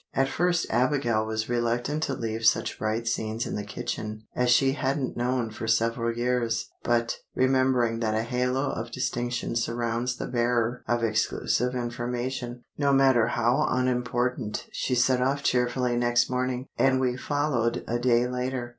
At first Abigail was reluctant to leave such bright scenes in the kitchen as she hadn't known for several years; but, remembering that a halo of distinction surrounds the bearer of exclusive information, no matter how unimportant, she set off cheerfully next morning, and we followed a day later.